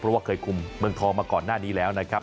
เพราะว่าเคยคุมเมืองทองมาก่อนหน้านี้แล้วนะครับ